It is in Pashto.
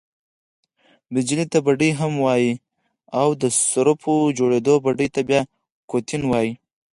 بیجلي ته بډۍ هم وايي او، د سرپو جوړي بډۍ ته بیا کوټین وايي.